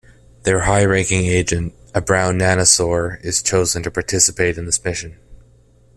Their high-ranking agent, a brown Nanosaur, is chosen to participate in this mission.